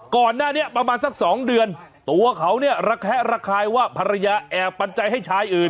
ก่อนหน้านี้ประมาณสักสองเดือนตัวเขาเนี่ยระแคะระคายว่าภรรยาแอบปัญญาให้ชายอื่น